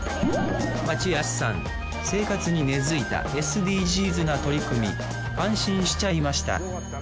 マチヤスさん生活に根付いたＳＤＧｓな取り組み安心しちゃいました。